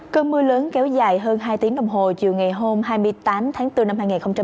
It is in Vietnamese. cơn mưa lớn kéo dài hơn hai tiếng đồng hồ chiều ngày hôm hai mươi tám tháng bốn năm hai nghìn hai mươi